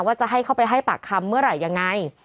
จะให้เข้าไปให้ปากคำเมื่อไหร่ยังไง